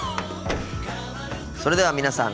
それでは皆さん